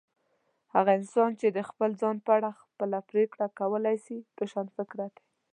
هغه انسان چي د خپل ځان په اړه خپله پرېکړه کولای سي، روښانفکره دی.